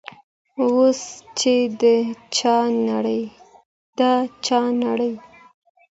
اوس چي د چا نرۍ